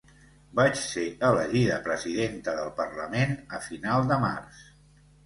Vaig ser elegida presidenta del parlament a final de març.